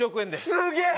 すげえ！